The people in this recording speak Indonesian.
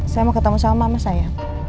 saya mau ketemu sama mama saya